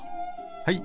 はい。